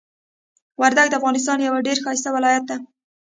وردګ د افغانستان یو ډیر ښایسته ولایت ده.